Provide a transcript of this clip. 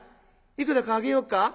いくらかあげようか？」。